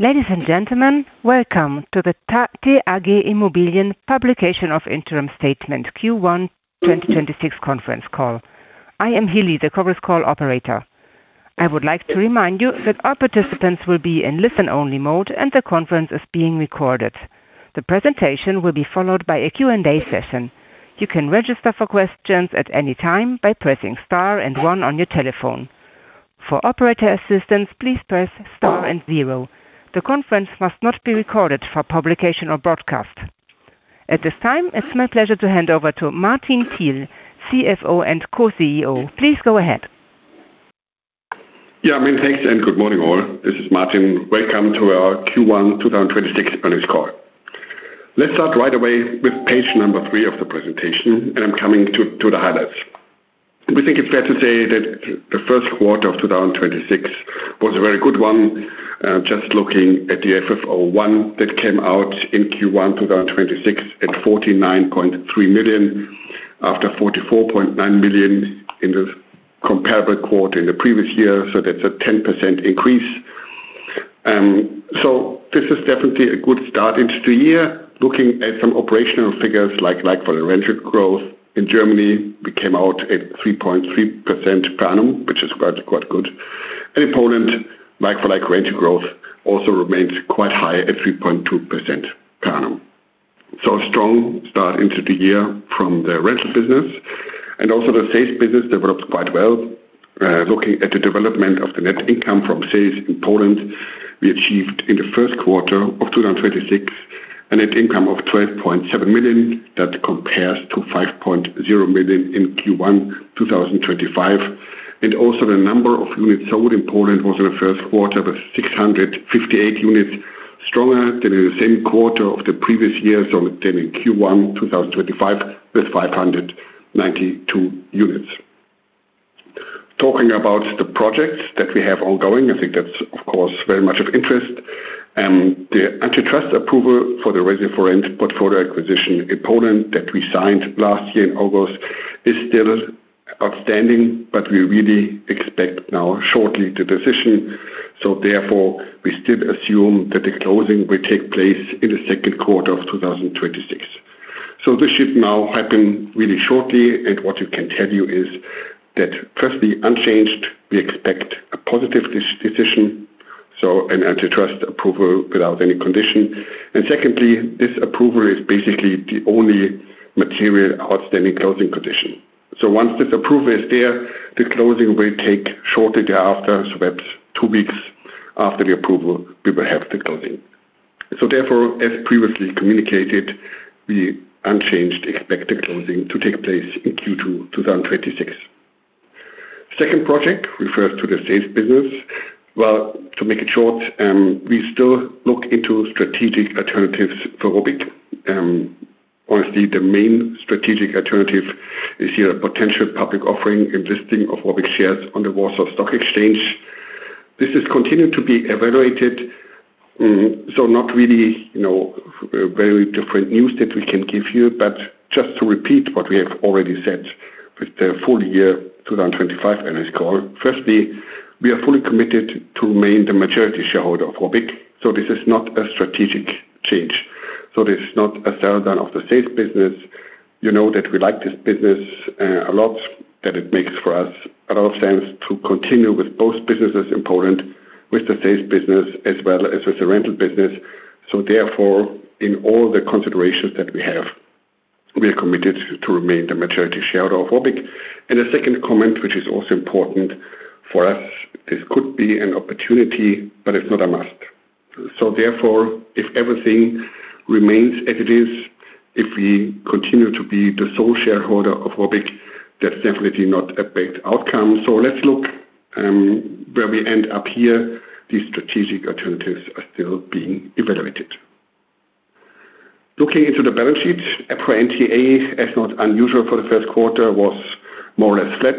Ladies and gentlemen, welcome to the TAG Immobilien publication of interim statement Q1 2026 conference call. I am Healy, the conference call operator. I would like to remind you that all participants will be in listen-only mode and the conference is being recorded. The presentation will be followed by a Q&A session. You can register for questions at any time by pressing star and one on your telephone. For operator assistance, please press star and zero. The conference must not be recorded for publication or broadcast. At this time, it's my pleasure to hand over to Martin Thiel, CFO and Co-CEO. Please go ahead. Yeah, many thanks, good morning, all. This is Martin. Welcome to our Q1 2026 earnings call. Let's start right away with page number 3 of the presentation, and I'm coming to the highlights. We think it's fair to say that the first quarter of 2026 was a very good one. Just looking at the FFO I that came out in Q1 2026 at 49.3 million after 44.9 million in the comparable quarter in the previous year. That's a 10% increase. This is definitely a good start into the year. Looking at some operational figures like-for-like rental growth in Germany, we came out at 3.3% per annum, which is quite good. In Poland, like-for-like rental growth also remained quite high at 3.2% per annum. A strong start into the year from the rental business. Also the sales business developed quite well. Looking at the development of the net income from sales in Poland, we achieved in the first quarter of 2026 a net income of 12.7 million. That compares to 5.0 million in Q1 2025. Also the number of units sold in Poland in the first quarter was 658 units, stronger than in the same quarter of the previous year, so than in Q1 2025 with 592 units. Talking about the projects that we have ongoing, I think that's of course very much of interest. The antitrust approval for the Resi4Rent portfolio acquisition in Poland that we signed last year in August is still outstanding, but we really expect now shortly the decision. We still assume that the closing will take place in the second quarter of 2026. This should now happen really shortly, and what we can tell you is that firstly, unchanged, we expect a positive decision, so an antitrust approval without any condition. Secondly, this approval is basically the only material outstanding closing condition. Once this approval is there, the closing will take shortly thereafter, about two weeks after the approval, we will have the closing. As previously communicated, we unchanged expect the closing to take place in Q2 2026. Second project refers to the sales business. Well, to make it short, we still look into strategic alternatives for ROBYG. Honestly, the main strategic alternative is here a potential public offering and listing of ROBYG shares on the Warsaw Stock Exchange. This is continuing to be evaluated. Not really, you know, very different news that we can give you. Just to repeat what we have already said with the full year 2025 earnings call. Firstly, we are fully committed to remain the majority shareholder of ROBYG. This is not a strategic change. This is not a sell-down of the sales business. You know that we like this business a lot, that it makes for us a lot of sense to continue with both businesses in Poland with the sales business as well as with the rental business. Therefore, in all the considerations that we have, we are committed to remain the majority shareholder of ROBYG. A second comment, which is also important for us, this could be an opportunity, but it's not a must. Therefore, if everything remains as it is, if we continue to be the sole shareholder of ROBYG, that's definitely not a bad outcome. Let's look where we end up here. These strategic alternatives are still being evaluated. Looking into the balance sheet, our NTA, as not unusual for the first quarter, was more or less flat,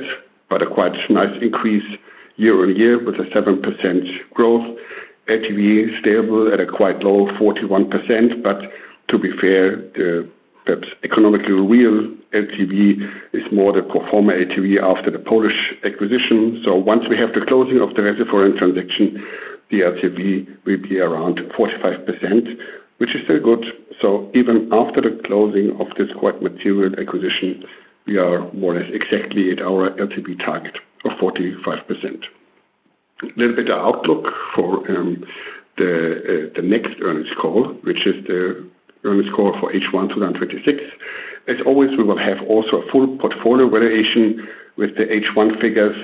but a quite nice increase year-on-year with a 7% growth. LTV stable at a quite low 41%, but to be fair, that economically real LTV is more the performer LTV after the Polish acquisition. Once we have the closing of the Resi4Rent transaction, the LTV will be around 45%, which is still good. Even after the closing of this quite material acquisition, we are more or less exactly at our LTV target of 45%. A little bit of outlook for the next earnings call, which is the earnings call for H1 2026. As always, we will have also a full portfolio valuation with the H1 figures.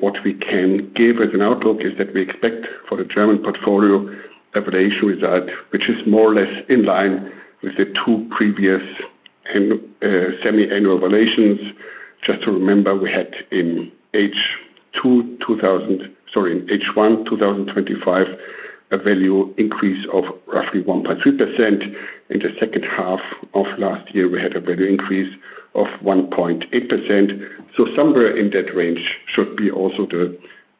What we can give as an outlook is that we expect for the German portfolio a valuation result which is more or less in line with the two previous semiannual valuations. Just to remember, we had in H1 2025 a value increase of roughly 1.3%. In the second half of last year, we had a value increase of 1.8%. Somewhere in that range should be also the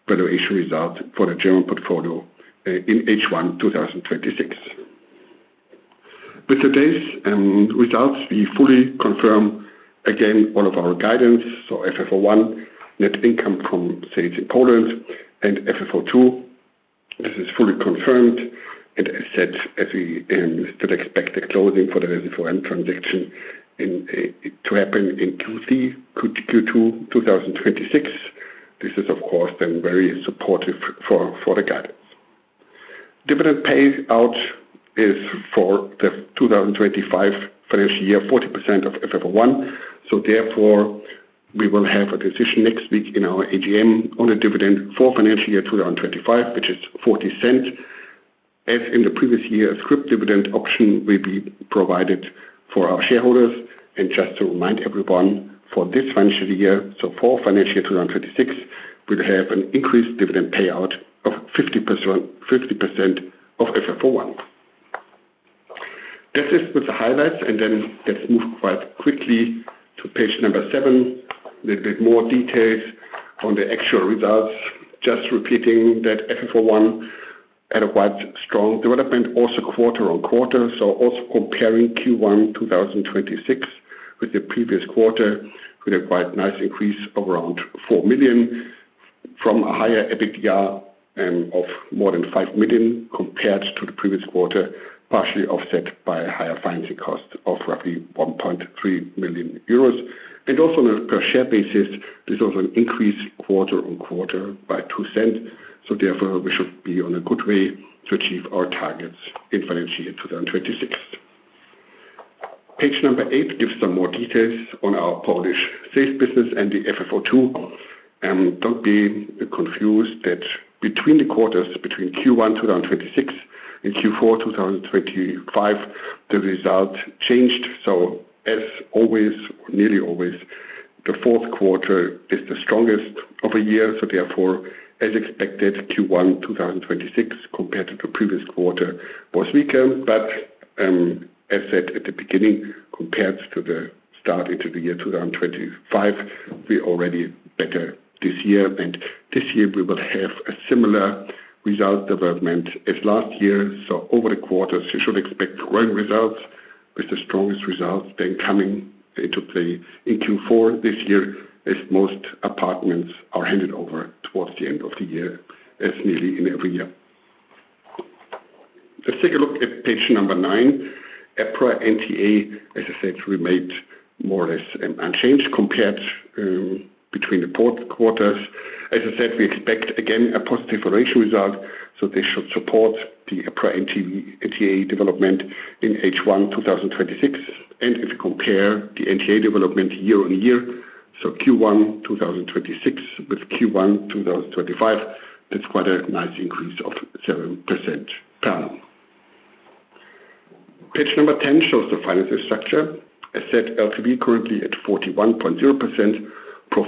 valuation result for the German portfolio in H1 2026. With today's results, we fully confirm again all of our guidance. FFO I net income from sales in Poland and FFO II, this is fully confirmed. As said, as we still expect the closing for the Resi4Rent transaction to happen in Q2 2026, this is of course then very supportive for the guidance. Dividend payout is for the 2025 financial year, 40% of FFO I. Therefore we will have a decision next week in our AGM on a dividend for financial year 2025, which is 0.40. As in the previous year, a scrip dividend option will be provided for our shareholders. Just to remind everyone, for this financial year, so for financial 2026, we'll have an increased dividend payout of 50% of FFO I. That's it with the highlights. Let's move quite quickly to page number seven. A little bit more details on the actual results. Just repeating that FFO I had a quite strong development also quarter-on-quarter. Also comparing Q1 2026 with the previous quarter with a quite nice increase of around 4 million from a higher EBITDA of more than 5 million compared to the previous quarter, partially offset by higher financing cost of roughly 1.3 million euros. Also on a per share basis, this was an increase quarter-on-quarter by 0.02. Therefore we should be on a good way to achieve our targets in financial year 2026. Page number eight gives some more details on our Polish sales business and the FFO II. Don't be confused that between the quarters, between Q1 2026 and Q4 2025, the result changed. As always, nearly always, the fourth quarter is the strongest of a year. Therefore as expected, Q1 2026 compared to the previous quarter was weaker. As said at the beginning, compared to the start into the year 2025, we're already better this year. This year we will have a similar result development as last year. Over the quarters you should expect growing results with the strongest results then coming into play in Q4 this year as most apartments are handed over towards the end of the year, as nearly in every year. Let's take a look at page number nine. EPRA NTA, as I said, remained more or less unchanged compared between the both quarters. As I said, we expect again a positive valuation result, so this should support the EPRA NTA development in H1 2026. If you compare the NTA development year-on-year, so Q1 2026 with Q1 2025, that's quite a nice increase of 7% per annum. Page number 10 shows the financial structure. As said, LTV currently at 41.0%. Pro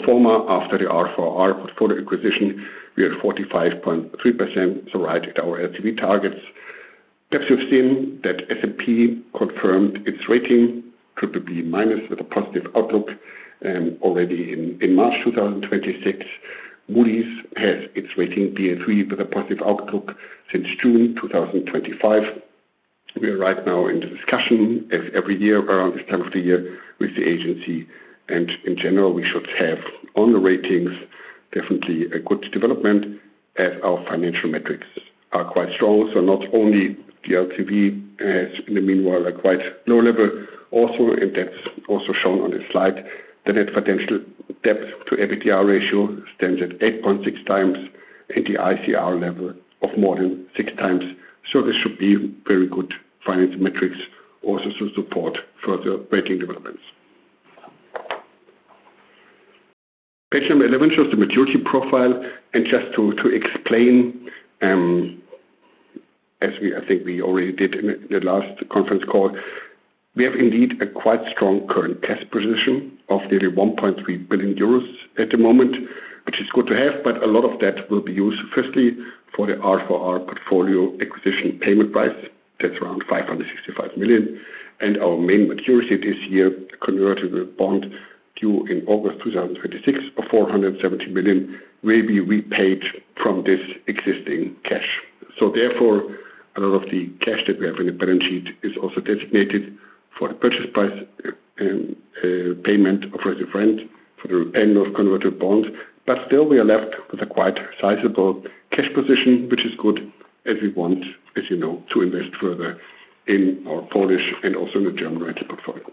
forma after the R4R portfolio acquisition, we are at 45.3%, so right at our LTV targets. Perhaps you've seen that S&P confirmed its rating BBB- with a positive outlook already in March 2026. Moody's has its rating Baa3 with a positive outlook since June 2025. We are right now in the discussion as every year around this time of the year with the agency. In general, we should have on the ratings definitely a good development as our financial metrics are quite strong. Not only the LTV has in the meanwhile a quite low level also, and that's also shown on this slide. The net potential debt to EBITDA ratio stands at 8.6x and the ICR level of more than 6x. This should be very good financial metrics also to support further rating developments. Page number 11 shows the maturity profile. Just to explain, as we already did in the last conference call. We have indeed a quite strong current cash position of nearly 1.3 billion euros at the moment, which is good to have. A lot of that will be used firstly for the R4R portfolio acquisition payment price. That's around 565 million. Our main maturity this year, convertible bond due in August 2026 of 470 million, will be repaid from this existing cash. A lot of the cash that we have in the balance sheet is also designated for the purchase price payment of Resi4Rent and convertible bond. Still we are left with a quite sizable cash position, which is good as we want, as you know, to invest further in our Polish and also in the German rental portfolio.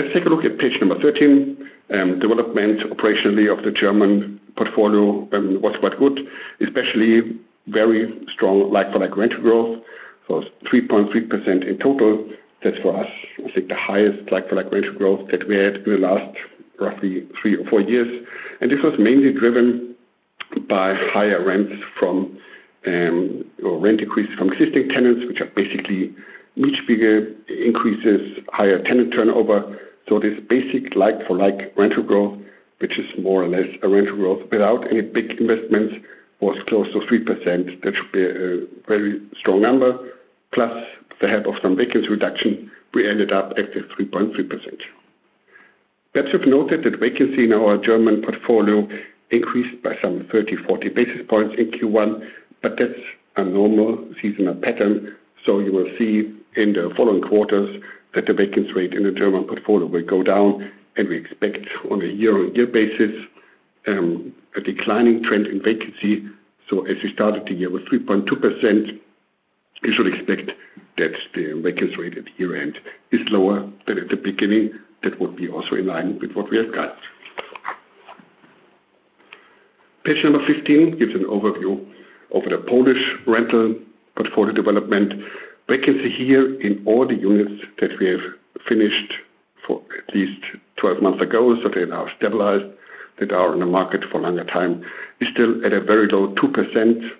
Let's take a look at page number 13. Development operationally of the German portfolio was quite good, especially very strong like-for-like rental growth. 3.3% in total. That's for us, I think the highest like-for-like rental growth that we had in the last roughly 3 or 4 years. This was mainly driven by higher rents from or rent increase from existing tenants, which are basically much bigger increases, higher tenant turnover. This basic like-for-like rental growth, which is more or less a rental growth without any big investments, was close to 3%. That should be a very strong number. Plus the help of some vacancy reduction, we ended up at the 3.3%. Perhaps we've noted that vacancy in our German portfolio increased by some 30, 40 basis points in Q1, but that's a normal seasonal pattern. You will see in the following quarters that the vacancy rate in the German portfolio will go down, and we expect on a year-on-year basis a declining trend in vacancy. As we started the year with 3.2%, you should expect that the vacancy rate at year-end is lower than at the beginning. That would be also in line with what we have got. Page number 15 gives an overview of the Polish rental portfolio development. Vacancy here in all the units that we have finished for at least 12 months ago, so they are now stabilized, that are on the market for a longer time, is still at a very low 2%.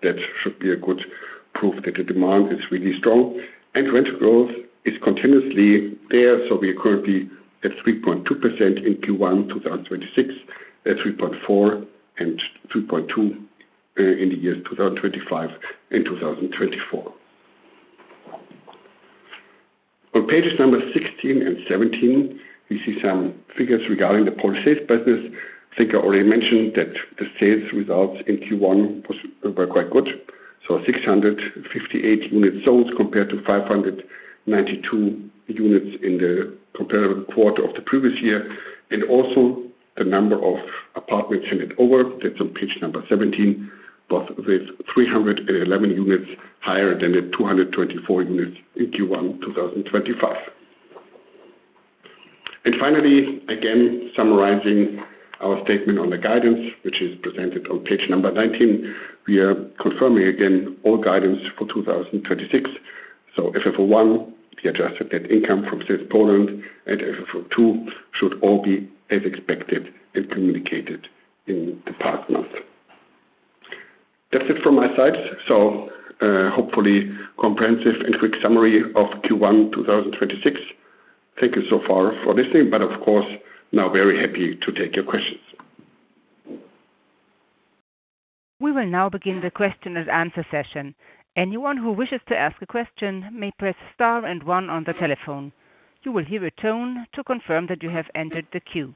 That should be a good proof that the demand is really strong. Rent growth is continuously there, we are currently at 3.2% in Q1 2026, at 3.4% and 2.2% in the years 2025 and 2024. On pages number 16 and 17, we see some figures regarding the Polish sales business. I think I already mentioned that the sales results in Q1 were quite good. 658 units sold compared to 592 units in the comparable quarter of the previous year. Also the number of apartments handed over. That's on page number 17. With 311 units higher than the 224 units in Q1 2025. Finally, again, summarizing our statement on the guidance, which is presented on page number 19. We are confirming again all guidance for 2026. FFO I, the adjusted net income from sales Poland and FFO II should all be as expected and communicated in the past months. That's it from my side. Hopefully comprehensive and quick summary of Q1 2026. Thank you so far for listening, but of course, now very happy to take your questions. We will now begin the question-and-answer session. Anyone who wishes to ask a question may press star and one on the telephone. You will hear a tone to confirm that you have entered the queue.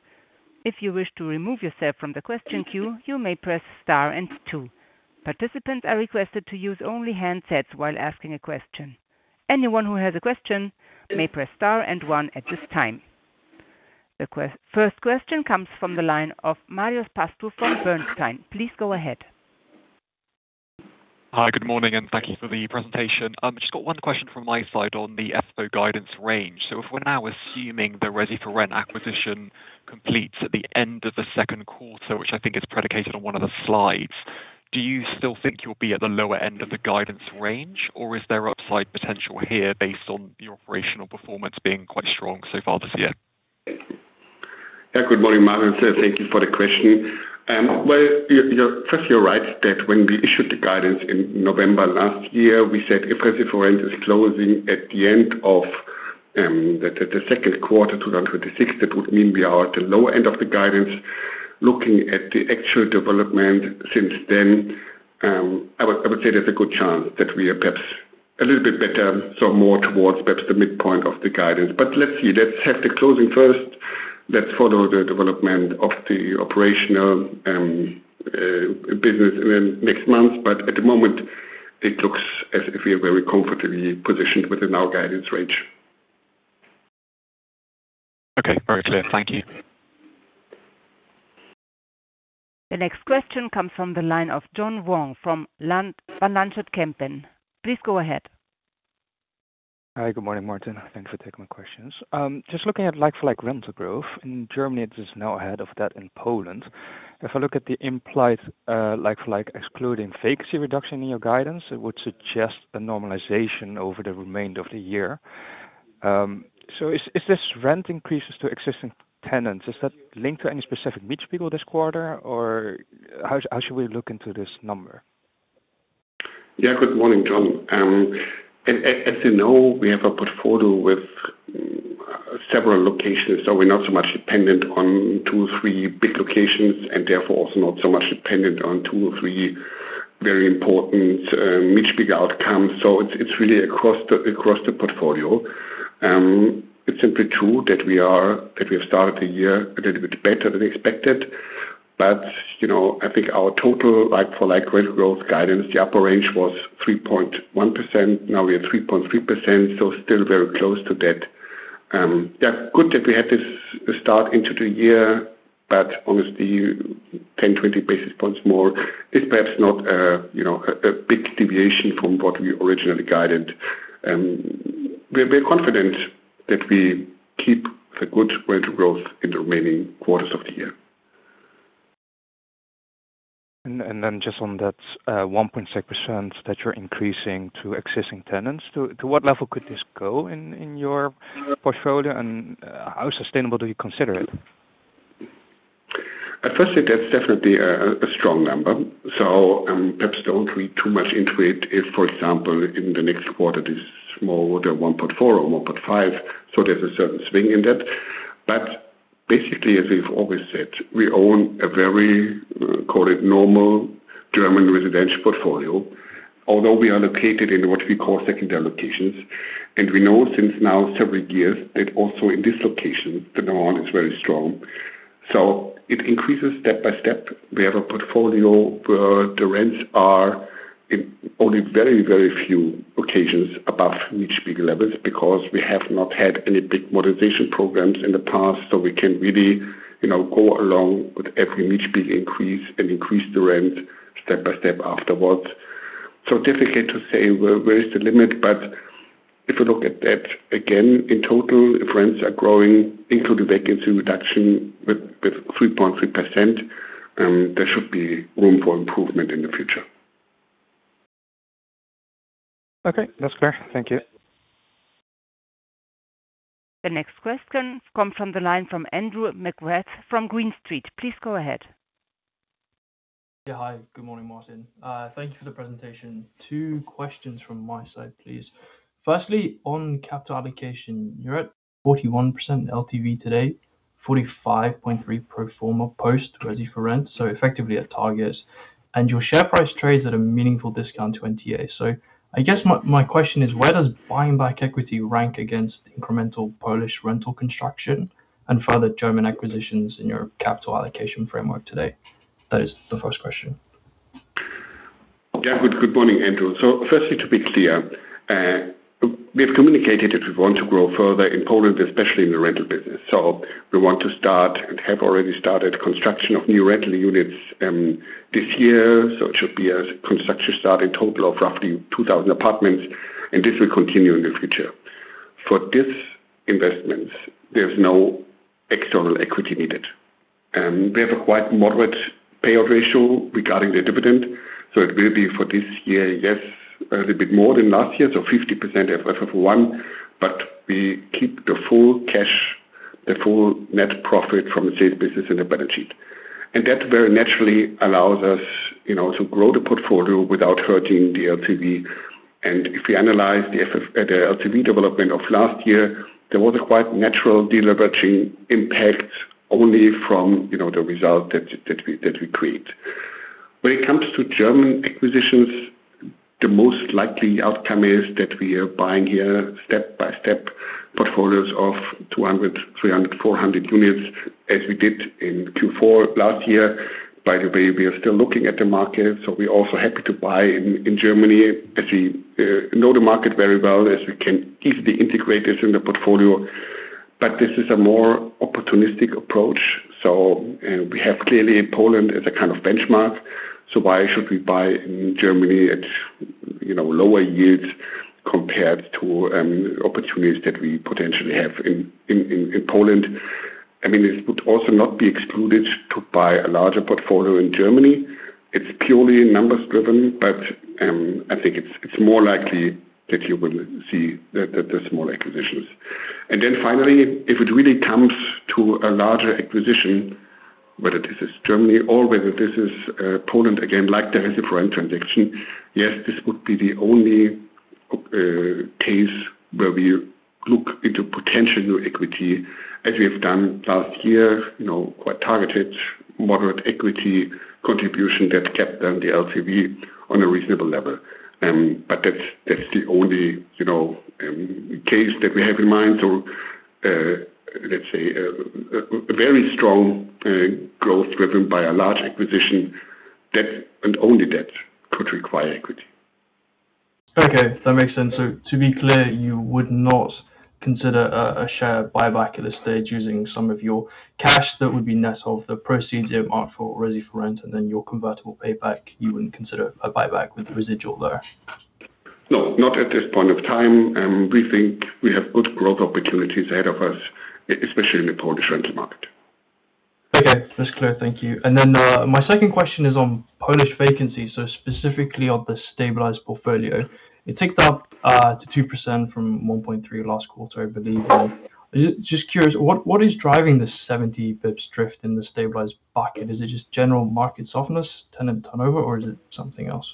If you wish to remove yourself from the question queue, you may press star and two. Participants are requested to use only handsets while asking a question. Anyone who has a question may press star and one at this time. The first question comes from the line of Marios Pastou from Bernstein. Please go ahead. Hi, good morning, and thank you for the presentation. Just got one question from my side on the FFO guidance range. If we're now assuming the Resi4Rent acquisition completes at the end of the second quarter, which I think is predicated on one of the slides, do you still think you'll be at the lower end of the guidance range, or is there upside potential here based on your operational performance being quite strong so far this year? Good morning, Marios Pastou. Thank you for the question. Well, firstly, you're right that when we issued the guidance in November last year, we said if Resi4Rent is closing at the end of the second quarter 2026, that would mean we are at the lower end of the guidance. Looking at the actual development since then, I would say there's a good chance that we are perhaps a little bit better, so more towards perhaps the midpoint of the guidance. Let's see. Let's have the closing first. Let's follow the development of the operational business in the next months. At the moment, it looks as if we are very comfortably positioned within our guidance range. Okay. Very clear. Thank you. The next question comes from the line of John Wong from Van Lanschot Kempen. Please go ahead. Hi. Good morning, Martin. Thanks for taking my questions. Just looking at like-for-like rental growth in Germany is now ahead of that in Poland. If I look at the implied like-for-like excluding vacancy reduction in your guidance, it would suggest a normalization over the remainder of the year. Is this rent increases to existing tenants, is that linked to any specific mix people this quarter, or how should we look into this number? Yeah. Good morning, John. As you know, we have a portfolio with several locations, so we're not so much dependent on two, three big locations and therefore also not so much dependent on two or three very important Mietspiegel outcomes. It's really across the portfolio. It's simply true that we have started the year a little bit better than expected. You know, I think our total like-for-like growth guidance, the upper range was 3.1%. Now we are at 3.3%, still very close to that. Yeah, good that we had this start into the year, but honestly, 10, 20 basis points more is perhaps not a, you know, a big deviation from what we originally guided. We're confident that we keep the good rate of growth in the remaining quarters of the year. Then just on that 1.6% that you're increasing to existing tenants, to what level could this go in your portfolio, and how sustainable do you consider it? At first sight, that's definitely a strong number. Perhaps don't read too much into it if, for example, in the next quarter it is more than 1.4 or 1.5. There's a certain swing in that. As we've always said, we own a very, call it normal German residential portfolio. Although we are located in what we call secondary locations, and we know since now several years that also in this location, the demand is very strong. It increases step by step. We have a portfolio where the rents are in only very few occasions above Mietspiegel levels because we have not had any big modernization programs in the past, so we can really, you know, go along with every Mietspiegel increase and increase the rent step by step afterwards. Difficult to say where is the limit, but if you look at that again, in total, if rents are growing into the vacancy reduction with 3.3%, there should be room for improvement in the future. Okay. That's clear. Thank you. The next question comes from the line from Andrew McGrath from Green Street. Please go ahead. Hi. Good morning, Martin. Thank you for the presentation. Two questions from my side, please. On capital allocation, you're at 41% LTV today, 45.3% pro forma post Resi4Rent, so effectively at targets. Your share price trades at a meaningful discount to NTA. I guess my question is, where does buy and buy equity rank against incremental Polish rental construction and further German acquisitions in your capital allocation framework today? That is the first question. Good morning, Andrew. Firstly, to be clear, we have communicated that we want to grow further in Poland, especially in the rental business. We want to start and have already started construction of new rental units this year. It should be a construction start in total of roughly 2,000 apartments, and this will continue in the future. For this investment, there's no external equity needed. We have a quite moderate payout ratio regarding the dividend. It will be for this year, yes, a little bit more than last year, 50% FFO I. We keep the full cash, the full net profit from the sales business in the balance sheet. That very naturally allows us, you know, to grow the portfolio without hurting the LTV. If we analyze the LTV development of last year, there was a quite natural deleveraging impact only from, you know, the result that we create. When it comes to German acquisitions, the most likely outcome is that we are buying here step-by-step portfolios of 200, 300, 400 units as we did in Q4 last year. By the way, we are still looking at the market, we're also happy to buy in Germany as we know the market very well, as we can easily integrate this in the portfolio. This is a more opportunistic approach. We have clearly Poland as a kind of benchmark. Why should we buy in Germany at, you know, lower yields compared to opportunities that we potentially have in Poland? I mean, it would also not be excluded to buy a larger portfolio in Germany. It's purely numbers driven, but I think it's more likely that you will see the small acquisitions. Finally, if it really comes to a larger acquisition, whether this is Germany or whether this is Poland, again, like the Resi4Rent transaction, yes, this would be the only case where we look into potential new equity as we have done last year. You know, quite targeted moderate equity contribution that kept the LTV on a reasonable level. That's the only, you know, case that we have in mind. Let's say, a very strong growth driven by a large acquisition, that and only that could require equity. Okay. That makes sense. To be clear, you would not consider a share buyback at this stage using some of your cash that would be net of the proceeds earmarked for Resi4Rent and then your convertible payback. You wouldn't consider a buyback with residual there? No, not at this point of time. We think we have good growth opportunities ahead of us, especially in the Polish rental market. Okay. That's clear. Thank you. My second question is on Polish vacancy, so specifically on the stabilized portfolio. It ticked up to 2% from 1.3% last quarter, I believe. Just curious, what is driving the 70 bps drift in the stabilized bucket? Is it just general market softness, tenant turnover, or is it something else?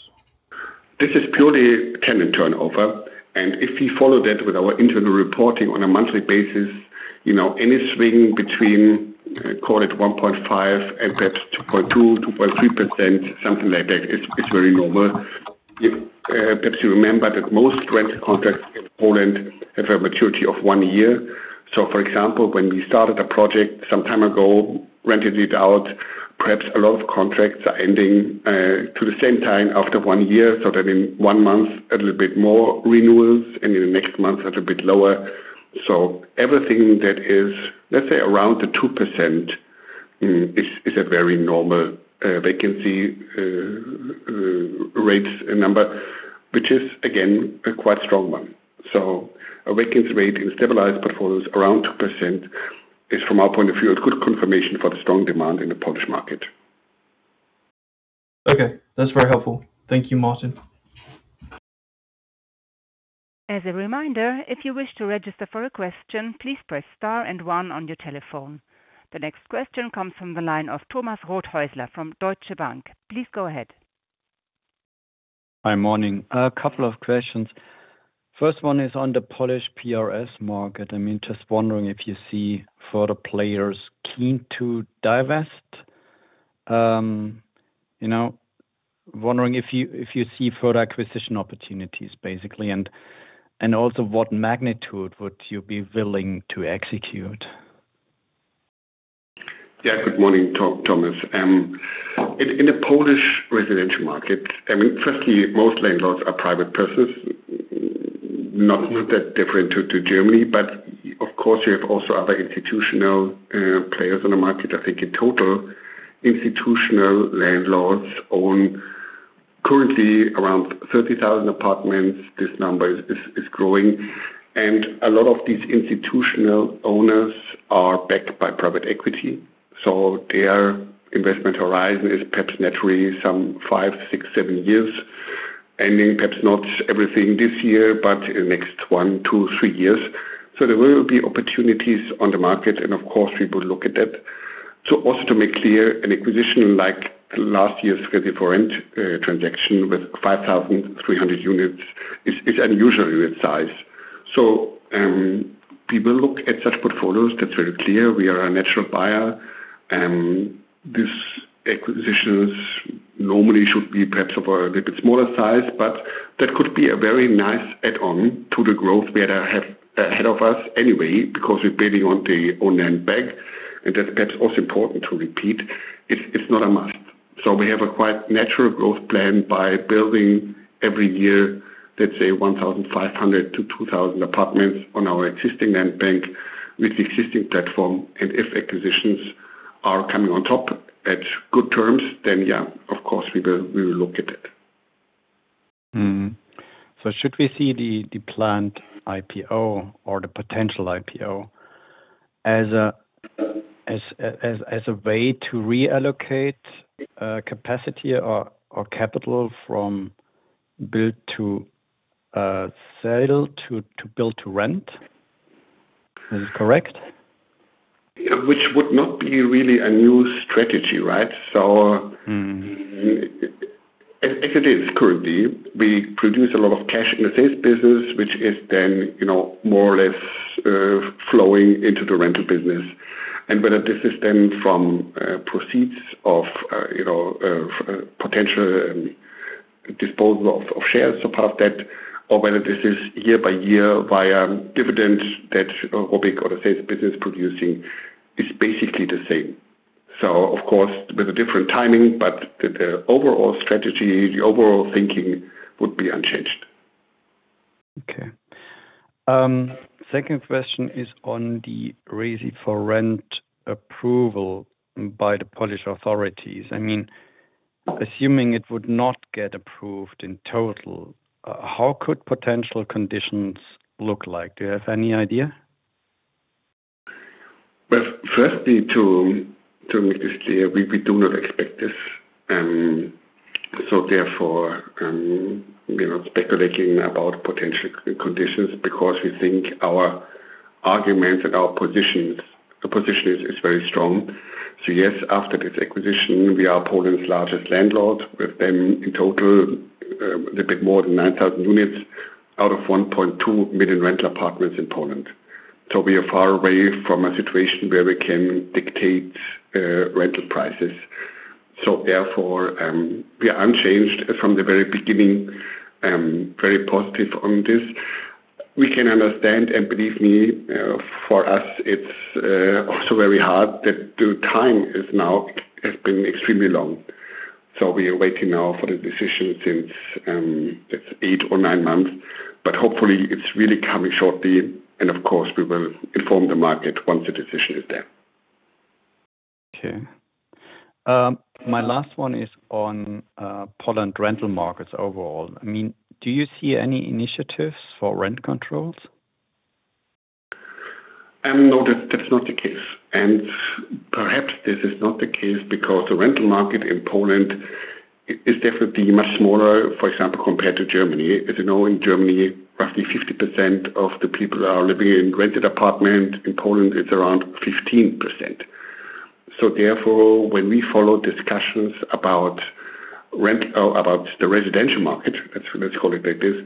This is purely tenant turnover. If you follow that with our internal reporting on a monthly basis, you know, any swing between call it 1.5% and perhaps 2.2%, 2.3%, something like that, it's very normal. If perhaps you remember that most rent contracts in Poland have a maturity of 1 year. For example, when we started a project some time ago, rented it out, perhaps a lot of contracts are ending to the same time after one year, so that in one month, a little bit more renewals, and in the next month, a little bit lower. Everything that is, let's say, around the 2%, is a very normal vacancy rate number, which is again, a quite strong one. A vacancy rate in stabilized portfolios around 2% is from our point of view, a good confirmation for the strong demand in the Polish market. Okay. That's very helpful. Thank you, Martin. As a reminder, if you wish to register for a question, please press star and one on your telephone. The next question comes from the line of Thomas Rothäusler from Deutsche Bank. Please go ahead. Hi. Morning. A couple of questions. First one is on the Polish PRS market. I mean, just wondering if you see further players keen to divest, you know, wondering if you see further acquisition opportunities basically, and also what magnitude would you be willing to execute? Yeah. Good morning, Thomas. In the Polish residential market, I mean, firstly, most landlords are private persons. Not that different to Germany, of course, you have also other institutional players on the market. I think in total, institutional landlords own currently around 30,000 apartments. This number is growing. A lot of these institutional owners are backed by private equity, their investment horizon is perhaps naturally some 5, 6, 7 years, ending perhaps not everything this year, but in next 1-3 years. There will be opportunities on the market, of course, we will look at that. Also to make clear, an acquisition like last year's Resi4Rent transaction with 5,300 units is unusually in size. We will look at such portfolios. That's very clear. We are a natural buyer. These acquisitions normally should be perhaps of a little bit smaller size, but that could be a very nice add-on to the growth we have ahead of us anyway, because we're building on land bank. That's perhaps also important to repeat, it's not a must. We have a quite natural growth plan by building every year, let's say 1,500-2,000 apartments on our existing land bank with existing platform. If acquisitions are coming on top at good terms, then yeah, of course, we will look at it. Mm-hmm. Should we see the planned IPO or the potential IPO as a way to reallocate capacity or capital from build to sale to build to rent? Is it correct? Which would not be really a new strategy, right? As it is currently, we produce a lot of cash in the sales business, which is then, you know, more or less, flowing into the rental business. Whether this is then from proceeds of, you know, potential disposal of shares apart of that, or whether this is year-by-year via dividend that ROBYG or the sales business producing is basically the same. Of course, with a different timing, but the overall strategy, the overall thinking would be unchanged. Okay. second question is on the Resi4Rent approval by the Polish authorities. I mean, assuming it would not get approved in total, how could potential conditions look like? Do you have any idea? Firstly, to make this clear, we do not expect this. Therefore, we're not speculating about potential conditions because we think our arguments and our position is very strong. Yes, after this acquisition, we are Poland's largest landlord with then in total a little bit more than 9,000 units out of 1.2 million rental apartments in Poland. We are far away from a situation where we can dictate rental prices. Therefore, we are unchanged from the very beginning, very positive on this. We can understand, and believe me, for us, it's also very hard that the time has been extremely long. We are waiting now for the decision since it's eight or nine months, but hopefully, it's really coming shortly, and of course, we will inform the market once the decision is there. Okay. My last one is on Poland rental markets overall. I mean, do you see any initiatives for rent controls? No, that's not the case. Perhaps this is not the case because the rental market in Poland is definitely much smaller, for example, compared to Germany. As you know, in Germany, roughly 50% of the people are living in rented apartment. In Poland, it's around 15%. Therefore, when we follow discussions about the residential market, let's call it like this,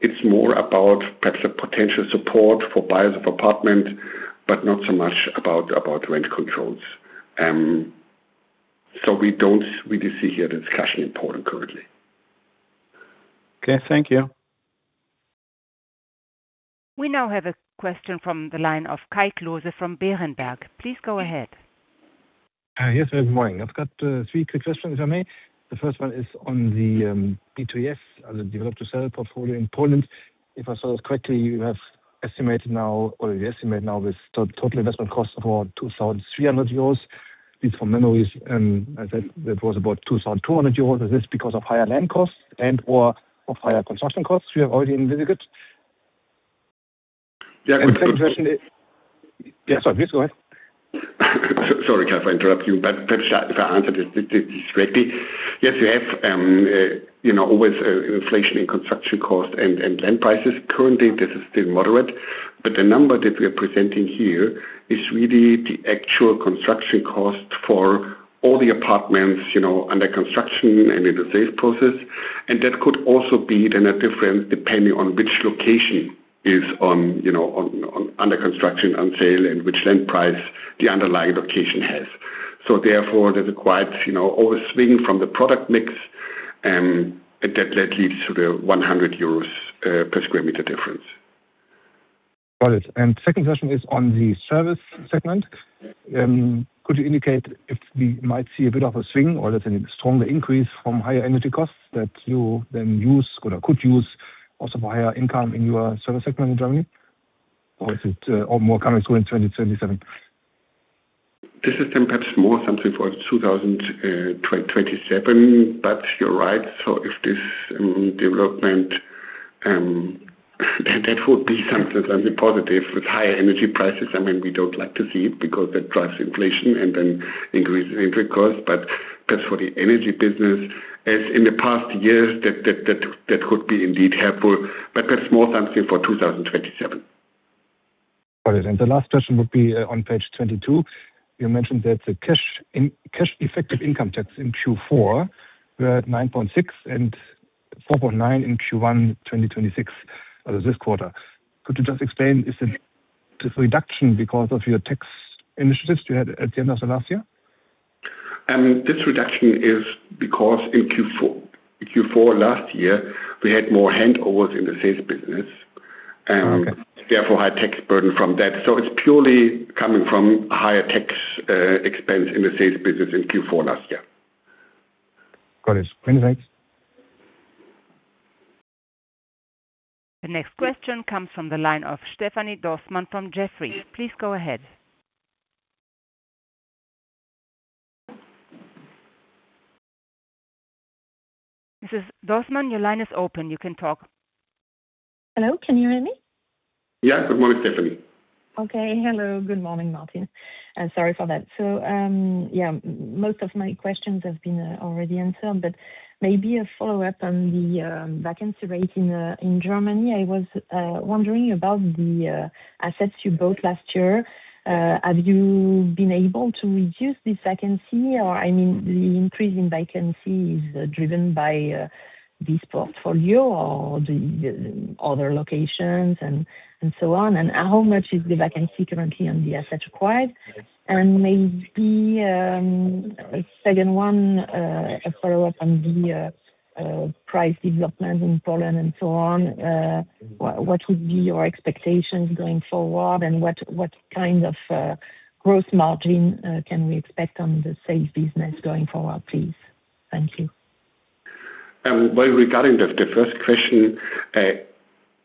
it's more about perhaps a potential support for buyers of apartment, but not so much about rent controls. We don't really see here the discussion in Poland currently. Okay. Thank you. We now have a question from the line of Kai Klose from Berenberg. Please go ahead. Yes. Good morning. I've got three quick questions if I may. The first one is on the B2S, the developer sale portfolio in Poland. If I followed correctly, you have estimated now or you estimate now this total investment cost of around 2,300 euros. If from memory, I said that was about 2,200 euros. Is this because of higher land costs and/or of higher construction costs you have already investigated? Yeah. Second question is Yeah, sorry. Please go ahead. Sorry, Kai, if I interrupt you, but perhaps if I answered it correctly. Yes, we have, you know, always inflation in construction cost and land prices. Currently, this is still moderate, but the number that we are presenting here is really the actual construction cost for all the apartments, you know, under construction and in the sales process. That could also be a difference depending on which location is on, you know, under construction, on sale, and which land price the underlying location has. Therefore, there's a quite, you know, always swing from the product mix. That leads to the 100 euros per square meter difference. Got it. Second question is on the service segment. Could you indicate if we might see a bit of a swing or is there any stronger increase from higher energy costs that you then use or could use also higher income in your service segment in Germany? Is it or more coming through in 2027? This is perhaps more something for 2027, but you're right. If this development, that would be something that would be positive with higher energy prices. I mean, we don't like to see it because that drives inflation and then increase input costs. That's for the energy business. As in the past years, that could be indeed helpful, that's more something for 2027. Got it. The last question would be on page 22. You mentioned that the cash effective income tax in Q4 were at 9.6 and 4.9 in Q1 2026, this quarter. Could you just explain, is it this reduction because of your tax initiatives you had at the end of last year? This reduction is because in Q4 last year, we had more handovers in the sales business. Okay. High tax burden from that. It's purely coming from higher tax expense in the sales business in Q4 last year. Got it. Thanks. The next question comes from the line of Stéphanie Dossmann from Jefferies. Please go ahead. Mrs. Dossmann, your line is open. You can talk. Hello, can you hear me? Yeah. Good morning, Stéphanie. Hello. Good morning, Martin. Sorry for that. Yeah, most of my questions have been already answered, maybe a follow-up on the vacancy rate in Germany. I was wondering about the assets you bought last year. Have you been able to reduce this vacancy or, I mean, the increase in vacancy is driven by this portfolio or the other locations and so on? How much is the vacancy currently on the assets acquired? Maybe a second one, a follow-up on the price development in Poland and so on. What would be your expectations going forward and what kind of growth margin can we expect on the sales business going forward, please? Thank you. Well, regarding the first question, first,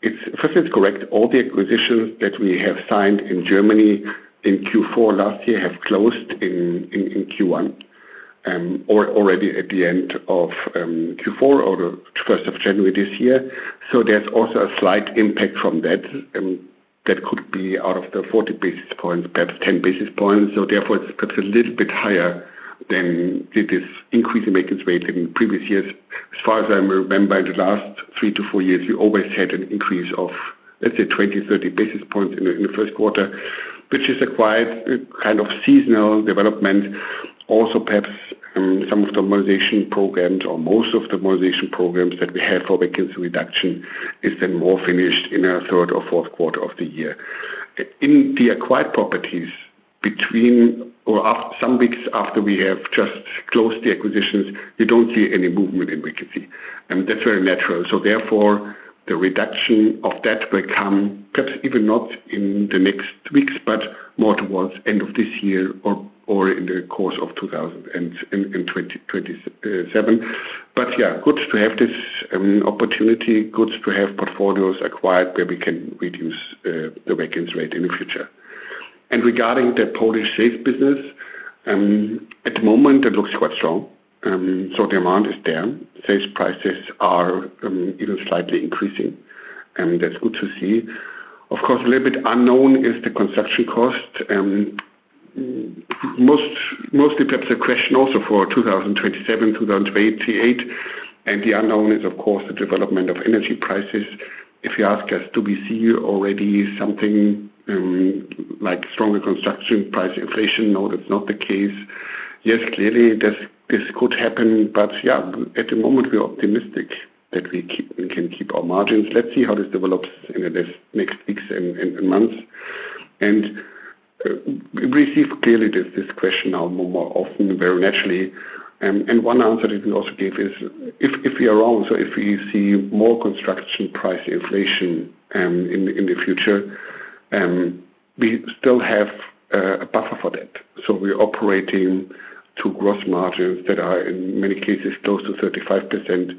it's correct. All the acquisitions that we have signed in Germany in Q4 last year have closed in Q1 or already at the end of Q4 or the 1st of January this year. There's also a slight impact from that. That could be out of the 40 basis points, perhaps 10 basis points. Therefore, it's got a little bit higher than it is increase in vacancy rate in previous years. As far as I remember, in the last 3-4 years, we always had an increase of, let's say, 20, 30 basis points in the first quarter, which is acquired kind of seasonal development. Also, perhaps, some of the mobilization programs or most of the mobilization programs that we have for vacancy reduction is then more finished in our third or fourth quarter of the year. In the acquired properties between or some weeks after we have just closed the acquisitions, we don't see any movement in vacancy, and that's very natural. Therefore, the reduction of that will come perhaps even not in the next weeks, but more towards end of this year or in the course of 2027. Good to have this opportunity, good to have portfolios acquired where we can reduce the vacancy rate in the future. Regarding the Polish sales business, at the moment, it looks quite strong. The amount is there. Sales prices are even slightly increasing, and that's good to see. Of course, a little bit unknown is the construction cost. Mostly perhaps a question also for 2027, 2028. The unknown is, of course, the development of energy prices. If you ask us, do we see already something like stronger construction price inflation? No, that's not the case. Yes, clearly this could happen, but at the moment, we're optimistic that we can keep our margins. Let's see how this develops in the next weeks and months. We receive clearly this question now more often, very naturally. One answer we can also give is if we are wrong, so if we see more construction price inflation in the future, we still have a buffer for that. We're operating to gross margins that are in many cases close to 35%.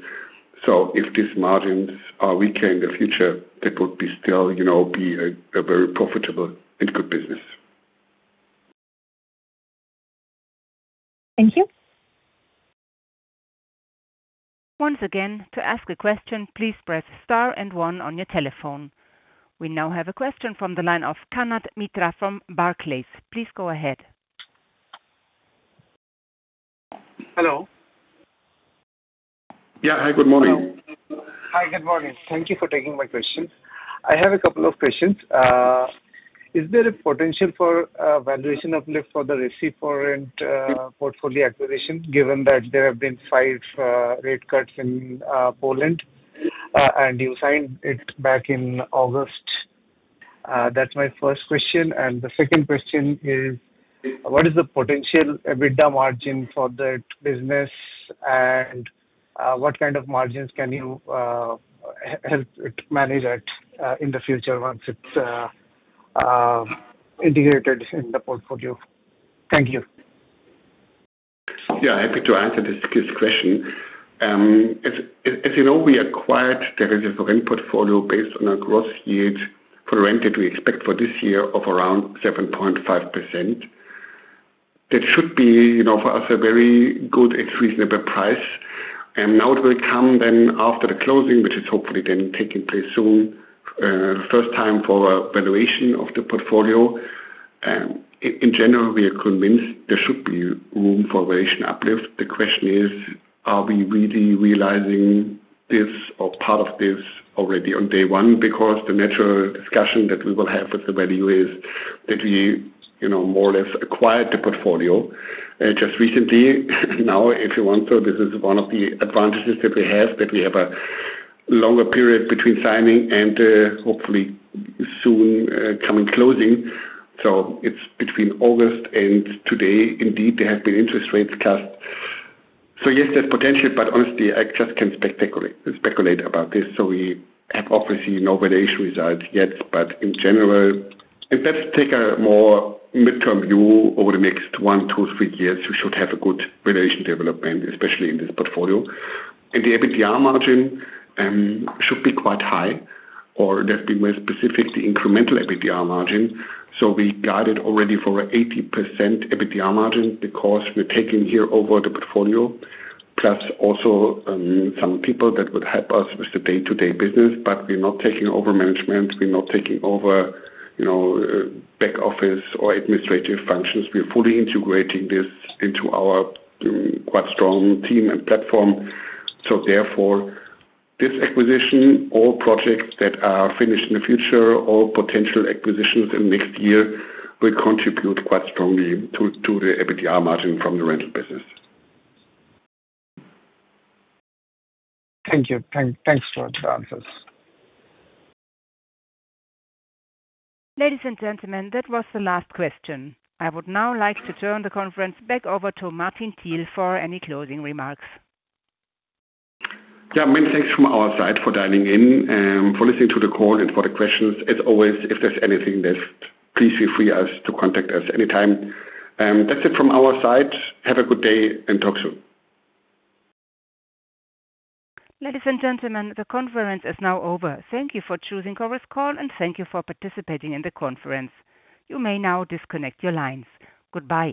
If these margins are weaker in the future, that would be still, you know, be a very profitable and good business. Thank you. Once again, to ask a question, please press star and one on your telephone. We now have a question from the line of Kanad Mitra from Barclays. Please go ahead. Hello. Yeah. Hi, good morning. Hi, good morning. Thank you for taking my questions. I have a couple of questions. Is there a potential for a valuation uplift for the Resi4Rent portfolio acquisition, given that there have been 5 rate cuts in Poland, and you signed it back in August? That's my first question. The second question is, what is the potential EBITDA margin for the business, and what kind of margins can you help manage it in the future once it's integrated in the portfolio? Thank you. Happy to answer this question. As you know, we acquired the residential rent portfolio based on a gross yield for rent that we expect for this year of around 7.5%. That should be, you know, for us a very good at reasonable price. Now it will come then after the closing, which is hopefully then taking place soon, first time for a valuation of the portfolio. In general, we are convinced there should be room for valuation uplift. The question is, are we really realizing this or part of this already on day one? Because the natural discussion that we will have with the valuer is that we, you know, more or less acquired the portfolio just recently. If you want to, this is one of the advantages that we have, that we have a longer period between signing and hopefully soon coming closing. It's between August and today. Indeed, there have been interest rates cut. Yes, there's potential, but honestly, I just can speculate about this. We have obviously no valuation results yet. In general, if let's take a more midterm view over the next 1, 2, 3 years, we should have a good valuation development, especially in this portfolio. The EBITDA margin should be quite high, or let's be more specific, the incremental EBITDA margin. We got it already for 80% EBITDA margin because we're taking here over the portfolio, plus also some people that would help us with the day-to-day business. We're not taking over management. We're not taking over, you know, back office or administrative functions. We are fully integrating this into our quite strong team and platform. Therefore, this acquisition or projects that are finished in the future or potential acquisitions in next year will contribute quite strongly to the EBITDA margin from the rental business. Thank you. Thanks for the answers. Ladies and gentlemen, that was the last question. I would now like to turn the conference back over to Martin Thiel for any closing remarks. Yeah. Many thanks from our side for dialing in, for listening to the call and for the questions. As always, if there's anything left, please feel free as to contact us any time. That's it from our side. Have a good day and talk soon. Ladies and gentlemen, the conference is now over. Thank you for choosing Chorus Call. Thank you for participating in the conference. You may now disconnect your lines. Goodbye.